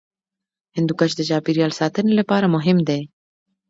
هندوکش د چاپیریال ساتنې لپاره مهم دی.